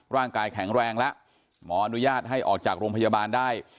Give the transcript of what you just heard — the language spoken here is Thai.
ร่างกายแข็งแรงแล้วหมออนุญาตให้ออกจากโรงพยาบาลได้